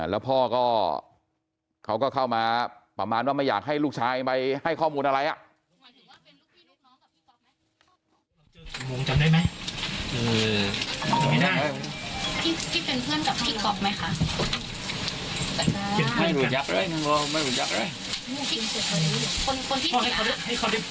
แล้วพ่อก็เขาก็เข้ามาประมาณว่าไม่อยากให้ลูกชายไปให้ข้อมูลอะไร